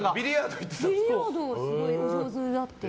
ビリヤードがすごいお上手だって。